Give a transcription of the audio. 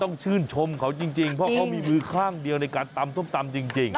ต้องชื่นชมเขาจริงเพราะเขามีมือข้างเดียวในการตำส้มตำจริง